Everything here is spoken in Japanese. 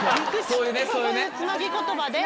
そういうつなぎ言葉で。